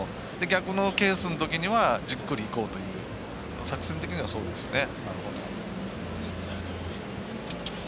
逆のケースのときにはじっくりいこうという作戦的にはそうですよね。